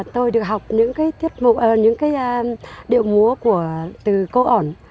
tôi được học những điệu múa từ cô on